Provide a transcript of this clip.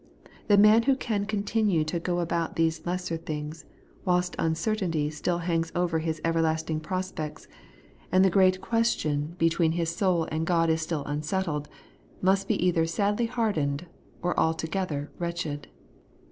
The man who can continue to go about these lesser things, whilst uncertainly still hangs over his ever lasting prospects, and the great question between 166 ITie Everlasting Eighteousness, his soul and God is still unsettled, must be either sadly hardened or altogether wretched.